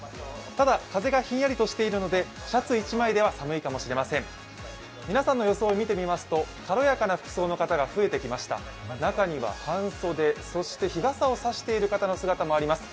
ただ、風がひんやりとしているのでシャツ１枚では寒いかもしれません皆さんの装い見てみますと軽やかな服装の方、増えてきました中には半袖そして日傘をさしている方の姿もあります